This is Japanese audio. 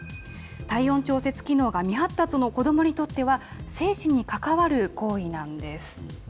体温調節機能が未発達の子どもにとっては、生死にかかわる行為なんです。